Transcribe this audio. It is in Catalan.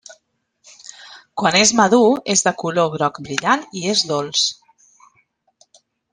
Quan és madur és de color groc brillant i és dolç.